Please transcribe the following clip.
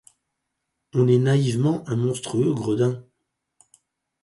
On est naïvement un monstrueux gredin. -